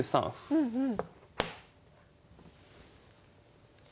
うんうん。